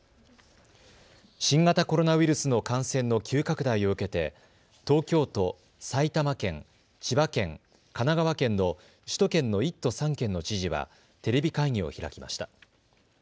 新型コロナウイルスの感染の急拡大を受けて東京都、埼玉県、千葉県、神奈川県の首都圏の１都３県の知事はテレビ会議を開きました。